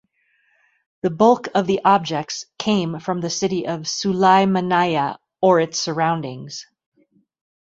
The bulk of the objects came from the city of Sulaymaniyah or its surroundings.